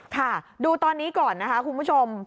ค่ะดูตอนนี้ก่อนนะคะคุณผู้ชม